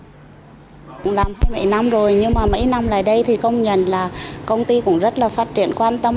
cũng làm hai ba năm rồi nhưng mấy năm lại đây thì công nhân là công ty cũng rất là phát triển quan tâm